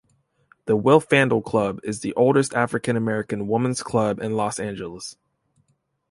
The Wilfandel Club is the oldest African-American women's club in Los Angeles.